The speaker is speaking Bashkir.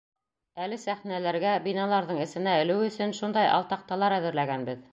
Әле сәхнәләргә, биналарҙың эсенә элеү өсөн шундай алтаҡталар әҙерләгәнбеҙ.